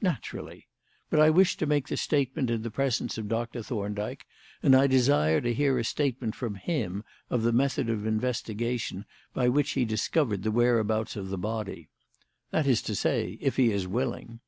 "Naturally. But I wish to make the statement in the presence of Doctor Thorndyke, and I desire to hear a statement from him of the method of investigation by which he discovered the whereabouts of the body. That is to say, if he is willing."